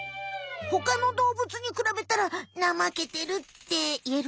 ほかの動物にくらべたらなまけてるっていえるかな。